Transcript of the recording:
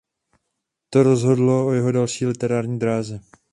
To rozhodlo o jeho další literární dráze.